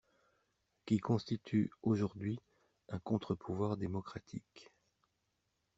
…qui constitue aujourd’hui un contre-pouvoir démocratique.